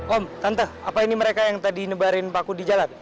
om tante apa ini mereka yang tadi nebarin paku di jalan